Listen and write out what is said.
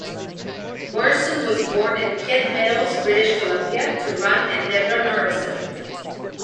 Morrison was born in Pitt Meadows, British Columbia, to Ron and Deborah Morrison.